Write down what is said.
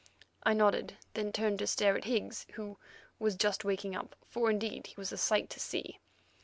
I nodded, then turned to stare at Higgs, who was just waking up, for, indeed, he was a sight to see.